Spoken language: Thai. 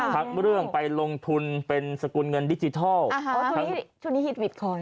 คำการลงทุนทุนเหตุเงินดิจิทัล